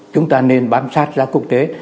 chúng ta nên bám sát giá quốc tế